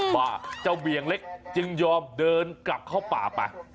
ว่าเจ้าเวียงเล็กจึงยอมเดินกลับเข้าป่าไป